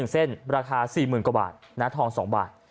เส้นราคา๔๐๐๐กว่าบาทนะทอง๒บาท